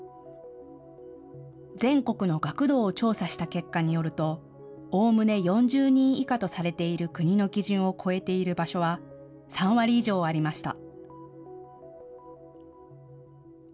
全国の学童を調査した結果によるとおおむね４０人以下とされている国の基準を超えている場所は３割以上ありました。